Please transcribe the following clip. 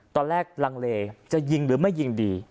ตอนแรกรังเลจะยิงหรือไม่ยิงดี